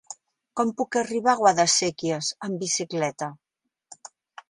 Com puc arribar a Guadasséquies amb bicicleta?